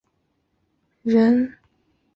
母亲是日本人。